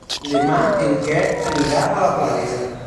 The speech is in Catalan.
Demà en Quer anirà a la platja.